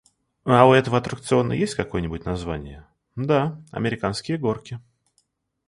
«А у этого аттракциона есть какое-нибудь название?» — «Да, американские горки».